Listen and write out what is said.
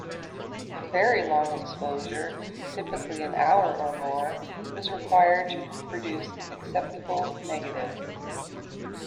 A very long exposure-typically an hour or more-was required to produce an acceptable negative.